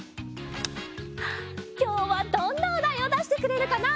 きょうはどんなおだいをだしてくれるかな？